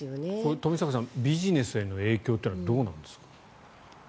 冨坂さんビジネスへの影響っていうのはどうなんですか？